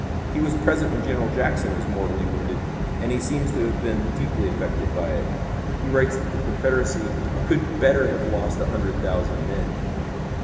He was present when General Jackson was mortally wounded, and he seems to have been deeply affected by it. He writes that the Confederacy could better have lost a hundred thousand men."